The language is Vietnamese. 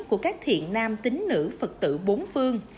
của các thiện nam tính nữ phật tử bốn phương